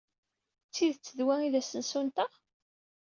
D tidet d wa ay d asensu-nteɣ?